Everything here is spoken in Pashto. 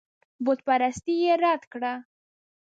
بتپرستي یې رد کړه.